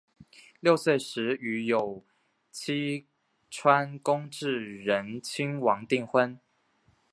六岁时与有栖川宫炽仁亲王订婚。